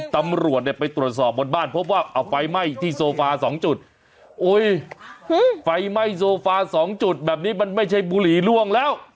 ตำรวจเนี่ยไปตรวจสอบบนบ้านพบว่าเอาไฟไหม้ที่โซฟาสองจุดโอ้ยไฟไหม้โซฟาสองจุดแบบนี้มันไม่ใช่บุหรี่ล่วงแล้ว